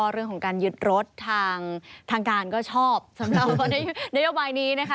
เรื่องของการยึดรถทางการก็ชอบสำหรับนโยบายนี้นะคะ